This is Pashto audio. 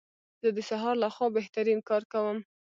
زه د سهار لخوا بهترین کار کوم.